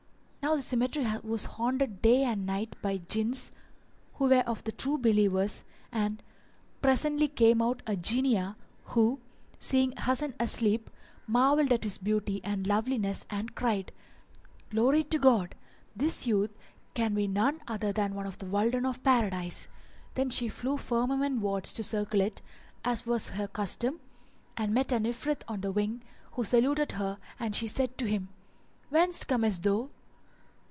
Now the cemetery was haunted day and night by Jinns who were of the True Believers, and presently came out a Jinniyah who, seeing Hasan asleep, marvelled at his beauty and loveliness and cried, "Glory to God! This youth can be none other than one of the Wuldan of Paradise.[FN#399] Then she flew firmament wards to circle it, as was her custom, and met an Ifrit on the wing who saluted her and she said to him, "Whence comest thou?"